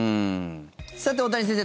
さて、大谷先生。